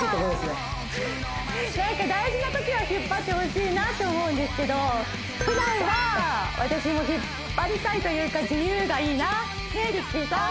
何か大事なときは引っ張ってほしいなって思うんですけど普段は私も引っ張りたいというか自由がいいなねっＲＩＣＫＥＹさん？